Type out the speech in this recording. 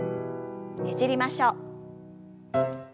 ねじりましょう。